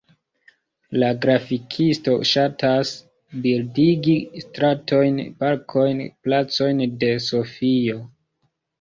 La grafikisto ŝatas bildigi stratojn, parkojn, placojn de Sofio.